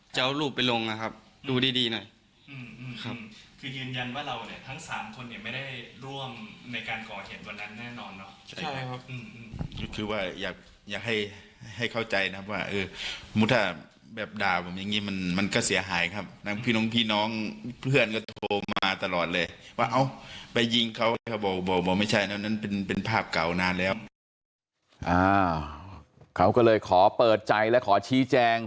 จะเอารูปไปลงนะครับดูดีดีหน่อยอืมอืมครับคือยืนยันว่าเราเนี้ยทั้งสามคนเนี้ยไม่ได้ร่วมในการก่อเห็นตัวนั้นแน่นอนเนอะใช่ครับอืม